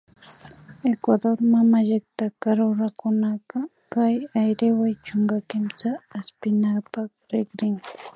Ecuador mamallakta runakunaka kay Ayriwa chunka kimsata aspinkapak rikrin